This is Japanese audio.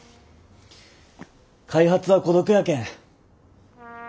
開発は孤独やけん。